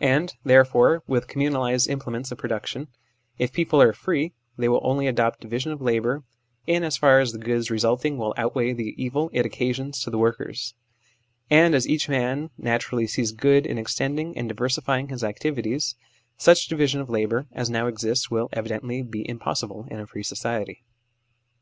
And, therefore, with communalised implements of production, if people are free, they will only adopt division of labour in as far as the good re sulting will outweigh the evil it occasions to the workers. And as each man naturally sees good in extending and diversifying his activities, such 1 A leader of German scientific Socialism (1805 75). (Trans.). 58 THE SLAVERY OF OUR TIMES division of labour as now exists will, evidently, be impossible in a free society.